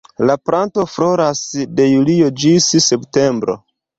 La planto floras de julio ĝis septembro.